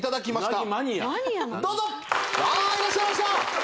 どうぞあいらっしゃいました